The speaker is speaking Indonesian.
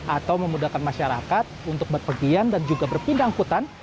atau memudahkan masyarakat untuk berpergian dan juga berpindah angkutan